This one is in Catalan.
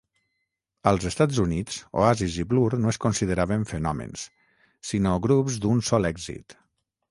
Als Estats Units Oasis i Blur no es consideraven fenòmens, sinó grups d'un sol èxit.